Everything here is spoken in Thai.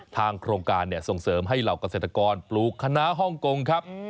โครงการส่งเสริมให้เหล่าเกษตรกรปลูกคณะฮ่องกงครับ